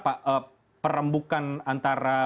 pak perembukan antara